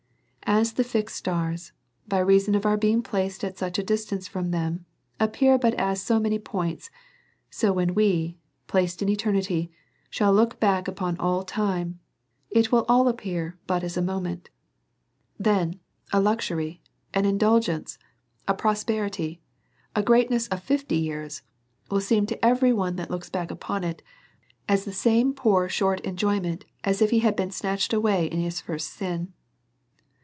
As the fixed stars, by reason of our being placed at such distance from them, appear but as so many points, so when we are placed in eternity, and shall look back upon all time, it will appear but as a moment. M 162 A SERIOUS CALL TO A Then a luxury, an indulgence, a prosperity, a great ness of fifty years, will seem, to every one that looks back upon it, as the same poor, short enjoyment, as if he had been snatched away in his first sin.